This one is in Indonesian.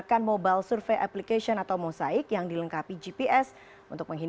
dan di dua puluh tahun